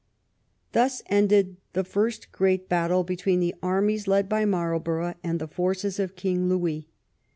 Thus ended the first great battle between the armies led by Marlborough and the forces of King Louis.